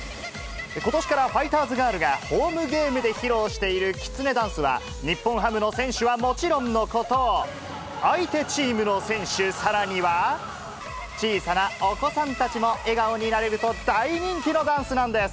ことしからファイターズガールがホームゲームで披露しているきつねダンスは、日本ハムの選手はもちろんのこと、相手チームの選手、さらには、小さなお子さんたちも笑顔になれると大人気のダンスなんです。